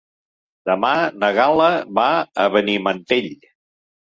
Demà na Gal·la va a Benimantell.